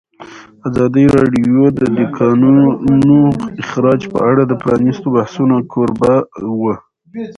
ازادي راډیو د د کانونو استخراج په اړه د پرانیستو بحثونو کوربه وه.